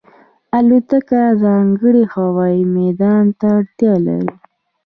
الوتکه ځانګړی هوايي میدان ته اړتیا لري.